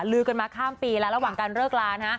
ลือกันมาข้ามปีแล้วระหว่างการเลิกลานะฮะ